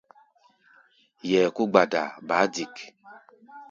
Yɛɛ kó gbadaa baá dik.